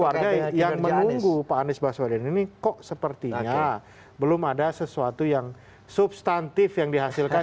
warga yang menunggu pak anies baswedan ini kok sepertinya belum ada sesuatu yang substantif yang dihasilkan